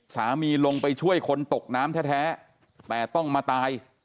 สามีลงไปช่วยคนตกน้ำแท้แต่ต้องมาตาย